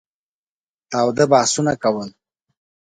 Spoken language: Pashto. تاوده بحثونه کول.